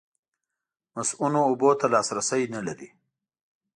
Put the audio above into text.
مصؤنو اوبو ته لاسرسی نه لري.